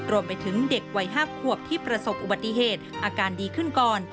รวมไปถึงเด็กวัย๕ขวบที่ประสบอุบัติเหตุอาการดีขึ้นก่อน